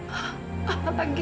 apalagi sekarang dia sedang sakit